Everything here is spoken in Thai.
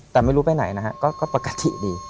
แต่ไม่รู้ไปไหนนะฮะก็ปกติดี